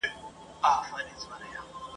نه یې څه پیوند دی له بورا سره ..